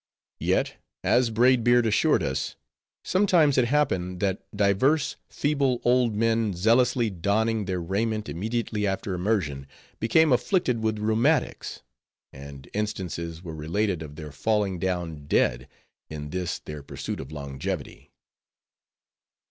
Yet, as Braid Beard assured us, sometimes it happened, that divers feeble old men zealously donning their raiment immediately after immersion became afflicted with rheumatics; and instances were related of their falling down dead, in this their pursuit of longevity.